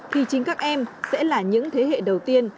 thì chính các em sẽ là những thế hệ đầu tiên